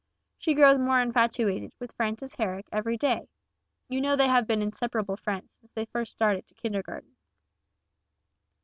She grows more infatuated with Frances Herrick every day. You know they have been inseparable friends since they first started to kindergarten."